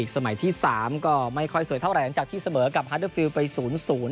สมัยที่สามก็ไม่ค่อยสวยเท่าไหร่หลังจากที่เสมอกับฮาเดอร์ฟิลไปศูนย์ศูนย์